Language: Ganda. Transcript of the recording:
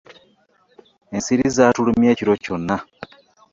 Ensiri zatulumye ekiro kyonna.